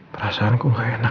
perasaanku gak enak